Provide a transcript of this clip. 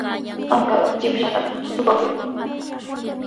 Ankaqa chipshatami suqakun.